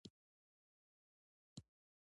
مچمچۍ هېڅکله بیکاره نه ناستېږي